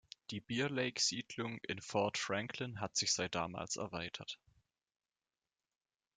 Die Bearlake-Siedlung in Fort Franklin hat sich seit damals erweitert.